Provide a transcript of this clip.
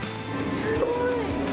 すごい。